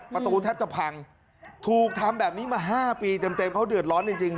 ประตูแทบจะพังถูกทำแบบนี้มา๕ปีเต็มเขาเดือดร้อนจริง